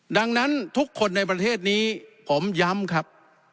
ดังนั้นทุกคนในประเทศนี้ผมย้ำครับ